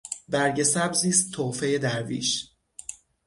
برگ سبزی است تحفهٔ درویش.